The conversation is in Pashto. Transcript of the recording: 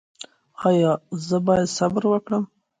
ایا زه باید صبر وکړم؟